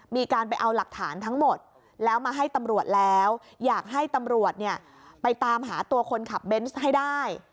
มีการไปเอาหลักฐานทั้งหมดแล้วมาให้ตำรวจแล้วอยากให้ตำรวจเนี่ยไปตามหาตัวคนขับเบนส์ให้ได้